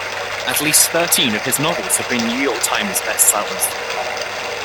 At least thirteen of his novels have been "New York Times" Best Sellers.